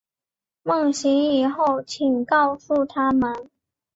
梦醒以后请告诉他们